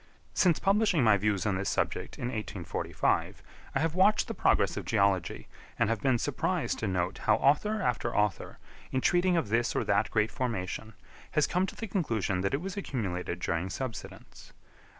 Since publishing my views on this subject in 1845, I have watched the progress of geology, and have been surprised to note how author after author, in treating of this or that great formation, has come to the conclusion that it was accumulated during subsidence.